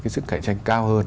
sức khảnh tranh cao hơn